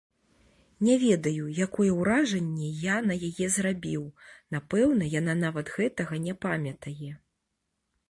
Не ведаю, якое ўражанне я на яе зрабіў, напэўна, яна нават гэтага не памятае.